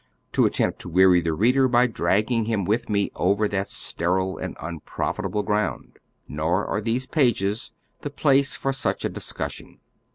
" to attempt to weary the reader by dragging him with me over that sterile and nnprofitable ground. Nor ai e these pages the place for such a discussion.